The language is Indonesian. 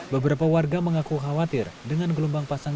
beberapa warga mengaku khawatir dengan gelombang pasang